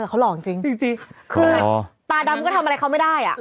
แต่เขาหล่อจริงจริงจริงจริงคือตาดำก็ทำอะไรเขาไม่ได้อ่ะ